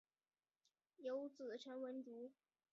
有子陈文烛。